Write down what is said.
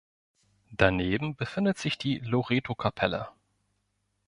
Daneben befindet sich die Loretokapelle.